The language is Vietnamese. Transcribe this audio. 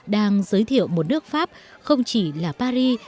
đang giới thiệu một nước pháp không chỉ là paris